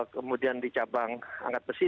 kemudian di cabang angkat besi